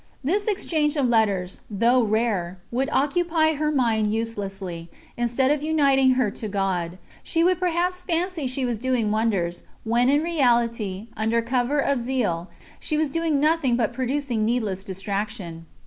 This exchange of letters, though rare, would occupy her mind uselessly; instead of uniting her to God, she would perhaps fancy she was doing wonders, when in reality, under cover of zeal, she was doing nothing but producing needless distraction.